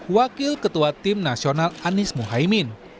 wakil ketua tim nasional anies mohaimin